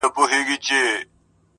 زما خو زړه دی زما ځان دی څه پردی نه دی.